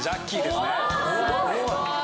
すごい。